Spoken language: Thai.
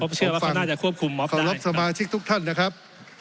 ผมเชื่อว่าคุณน่าจะควบคุมขอรับสมาชิกทุกท่านนะครับ